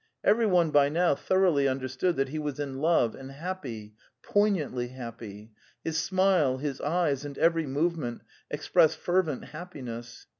Everyone by now thoroughly under stood that he was in love and happy, poignantly happy; his smile, his eyes, and every movement, ex pressed fervent happiness.